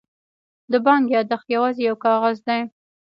د بانک یادښت یوازې یو کاغذ دی.